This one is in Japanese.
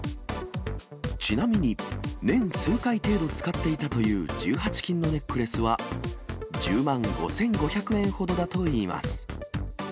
ちなみに年数回程度使っていたという１８金のネックレスは、１０万５５００円ほどだといいます。